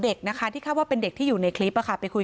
เด็กนะคะที่คาดว่าเป็นเด็กที่อยู่ในคลิปไปคุย